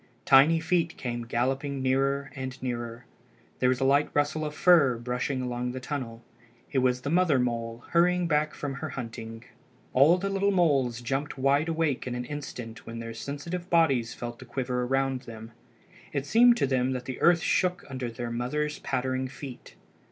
Tiny feet came galloping nearer and nearer. There was a light rustle of fur brushing along the tunnel. It was the mother mole hurrying back from her hunting. All the little moles jumped wide awake in an instant when their sensitive bodies felt the quiver around them. It seemed to them that the earth shook under the mother's pattering feet.